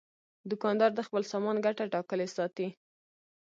دوکاندار د خپل سامان ګټه ټاکلې ساتي.